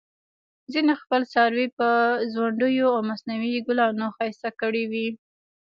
ځینې خپل څاروي په ځونډیو او مصنوعي ګلانو ښایسته کړي وي.